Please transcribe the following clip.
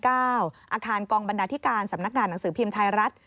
อาคารกองบรรณาธิการสำนักงานหนังสือพิมพ์ไทยรัฐ